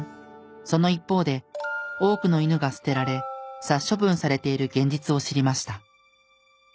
その一方で多くの犬が捨てられ殺処分されている現実を知りました。